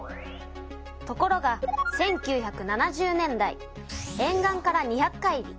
ところが１９７０年代えん岸から２００海里